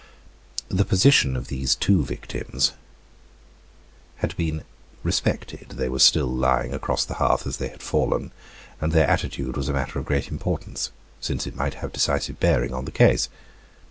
The position of these two victims had been respected; they were still lying across the hearth as they had fallen, and their attitude was a matter of great importance, since it might have decisive bearing on the case.